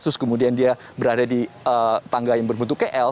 terus kemudian dia berada di tangga yang berbentuk kl